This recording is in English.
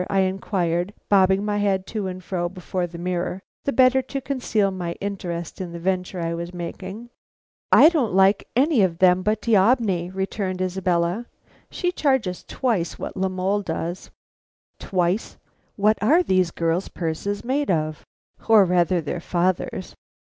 I inquired, bobbing my head to and fro before the mirror, the better to conceal my interest in the venture I was making. "I don't like any of them but D'Aubigny," returned Isabella. "She charges twice what La Mole does " Twice! What are these girls' purses made of, or rather their father's!